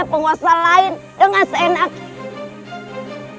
menguasai lain dengan seenakinya